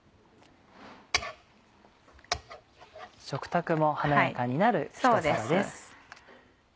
食卓も華やかになるひと皿です。